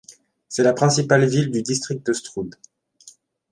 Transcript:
C'est la principale ville du district de Stroud.